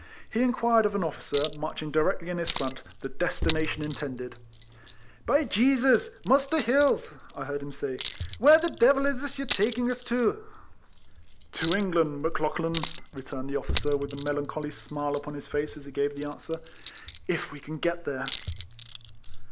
He inquired of an officer, 166 RECOLLECTIONS OF marching directly in liis front, the destina tion intended. "By J — s! Musther Hills," 1 heard him say, " where the d — I is this you're taking us to?" " To Enirland, Mc Lauclilan " returned the officer, with a melancholy smile upon his face, as he gave tlie answer, —" if we can get there.''